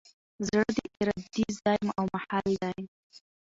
زړه د ارادې ځای او محل دﺉ.